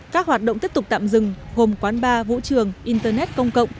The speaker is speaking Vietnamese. các hoạt động tiếp tục tạm dừng gồm quán bar vũ trường internet công cộng